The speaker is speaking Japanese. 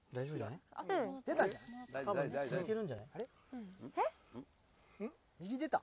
いけてた？